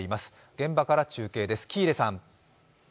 現場から中継です。